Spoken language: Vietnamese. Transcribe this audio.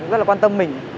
rất là quan tâm mình